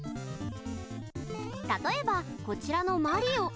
例えば、こちらのマリオ。